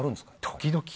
時々。